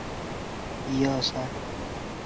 西汉末年右扶风平陵人。